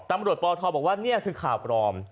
ตำรวจปทอบบอกว่าเนี่ยคือข่าวพร้อม